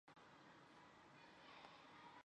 环形真绥螨为植绥螨科真绥螨属下的一个种。